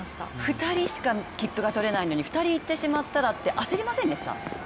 ２人しか切符が取れないのに２人行ってしまったらって焦りませんでした？